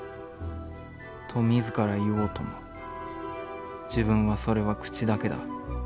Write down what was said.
「と自ら云おうとも、自分はそれは口だけだ。